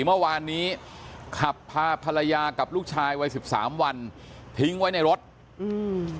เมื่อวานนี้ขับพาภรรยากับลูกชายวัยสิบสามวันทิ้งไว้ในรถอืม